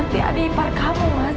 berarti adik ipar kamu mas